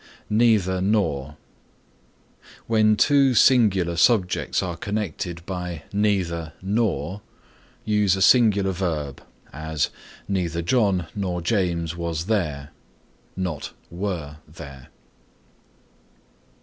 NEITHER NOR When two singular subjects are connected by neither, nor use a singular verb; as, "Neither John nor James was there," not were there.